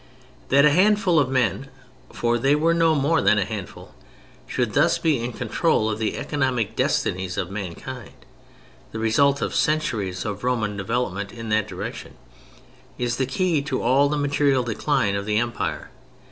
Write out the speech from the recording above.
That a handful of men, for they were no more than a handful, should thus be in control of the economic destinies of mankind—the result of centuries of Roman development in that direction—is the key to all the material decline of the Empire.